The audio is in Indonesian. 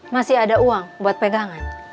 masih ada uang buat pegangan